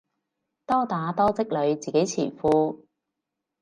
多打多積累自己詞庫